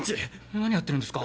何やってるんですか？